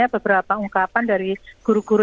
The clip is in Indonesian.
beberapa ungkapan dari guru guru